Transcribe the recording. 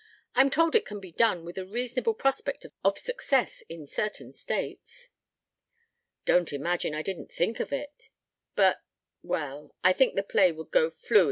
I'm told it can be done with a reasonable prospect of success in certain states." "Don't imagine I didn't think of it ... but well I think the play would go fluey